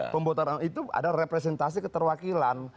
pembocoran itu adalah representasi keterwakilan